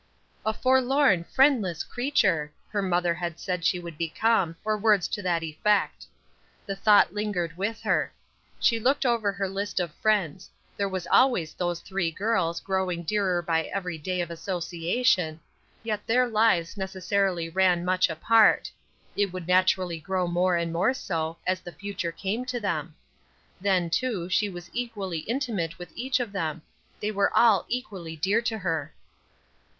"A forlorn friendless creature," her mother had said she would become, or words to that effect. The thought lingered with her. She looked over her list of friends; there was always those three girls, growing dearer by every day of association; yet their lives necessarily ran much apart; it would naturally grow more and more so as the future came to them. Then, too, she was equally intimate with each of them; they were all equally dear to her.